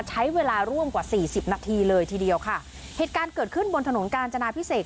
ใช้เวลาร่วมกว่าสี่สิบนาทีเลยทีเดียวค่ะเหตุการณ์เกิดขึ้นบนถนนกาญจนาพิเศษ